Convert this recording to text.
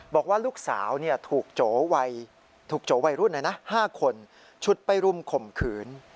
บอกว่าลูกสาวถูกโจถูกโจวัยรุ่น๕คนฉุดไปรุมข่มขืน